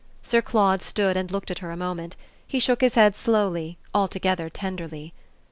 Sir Claude stood and looked at her a moment; he shook his head slowly, altogether tenderly.